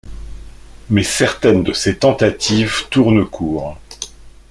Mais certaines de ses tentatives tournent court.